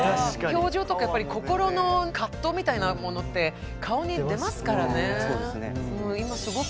表情とかやっぱり心の葛藤みたいなものって顔に出ますからね。